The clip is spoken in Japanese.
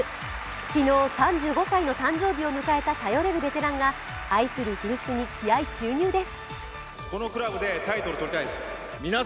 昨日３５歳の誕生日を迎えた頼れるベテランが愛する古巣に気合い注入です。